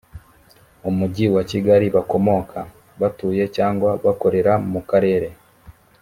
umujyi wa kigali bakomoka batuye cyangwa bakorera mu karere